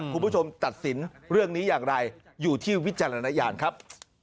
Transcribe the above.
คุณผู้ชมตัดสินเรื่องนี้อย่างไรอยู่ที่วิจารณญาณครับ